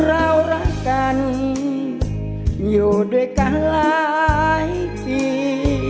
เรารักกันอยู่ด้วยกันหลายปี